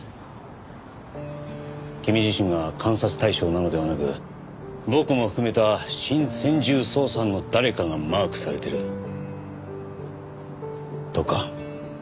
君自身が監察対象なのではなく僕も含めた新専従捜査班の誰かがマークされているとか？